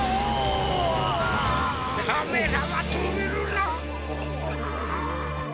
カメラはとめるな。